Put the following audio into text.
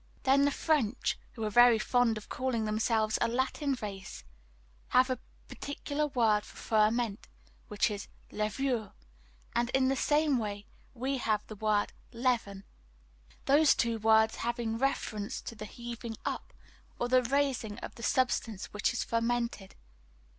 Then the French, who are very fond of calling themselves a Latin race, have a particular word for ferment, which is 'levure'. And, in the same way, we have the word "leaven," those two words having reference to the heaving up, or to the raising of the substance which is fermented.